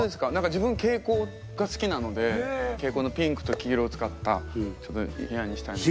自分蛍光が好きなので蛍光のピンクと黄色を使った部屋に。